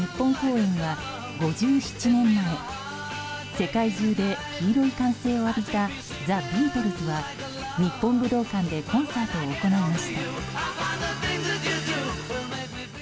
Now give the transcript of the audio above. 世界中で黄色い歓声を浴びたザ・ビートルズは日本武道館でコンサートを行いました。